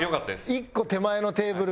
一個手前のテーブル。